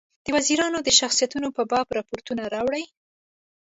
د وزیرانو د شخصیتونو په باب رپوټونه راوړي.